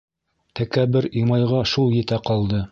Тәкәббер Имайға шул етә ҡалды.